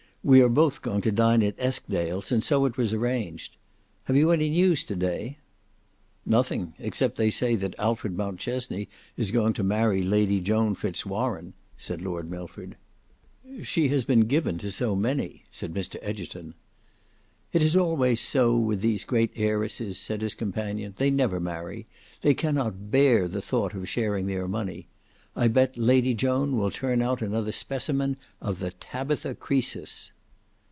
We are both going to dine at Eskdale's, and so it was arranged. Have you any news to day?" "Nothing; except that they say that Alfred Mountchesney is going to marry Lady Joan Fitz Warene," said Lord Milford. "She has been given to so many," said Mr Egerton. "It is always so with these great heiresses," said his companion. "They never marry. They cannot bear the thought of sharing their money. I bet Lady Joan will turn out another specimen of the TABITHA CROESUS."